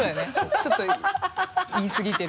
ちょっと言い過ぎてる。